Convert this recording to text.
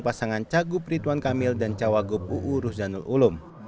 pasangan cagup rituan kamil dan cawagup uu ruzanul ulum